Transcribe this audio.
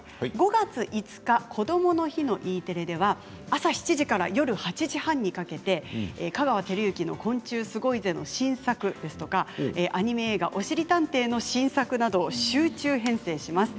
５月５日こどもの日のＥテレでは朝７時から夜８時半にかけて「香川照之の昆虫すごいぜ！」の新作ですとかアニメ映画「おしりたんてい」の新作など集中編成します。